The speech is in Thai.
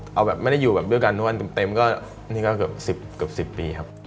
ก็เอาแบบไม่ได้อยู่เดี๋ยวกันทุกวันเต็มนี่ก็เกือบ๑๐ปีครับ